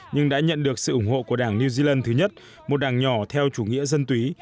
nhưng đã nhận được sự ủng hộ của đảng new zealand thứ nhất một đảng nhỏ theo chủ nghĩa dân túy